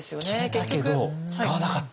決めたけど使わなかった。